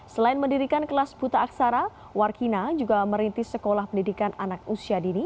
selain mendirikan kelas buta aksara warkina juga merintis sekolah pendidikan anak usia dini